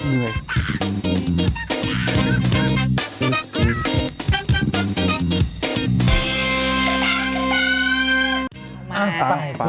มาไป